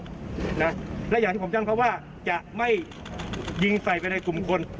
และอย่างที่ผมจังเพราะว่าจะไม่ยิงไฟไปในกลุ่มคน